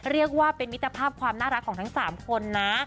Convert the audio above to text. เรียกว่าเป็นมิตรภาพความน่ารักของทั้ง๓คนนะ